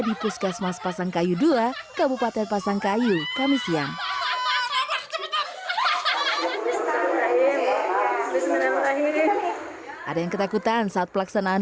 di puskesmas pasangkayu dua kabupaten pasangkayu kami siang ada yang ketakutan saat pelaksanaan